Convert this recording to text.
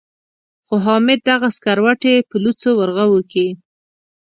خو حامد دغه سکروټې په لوڅو ورغوو کې.